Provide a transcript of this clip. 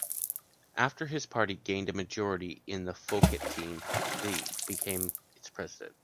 After his party gained a majority in the Folketing, he became its president.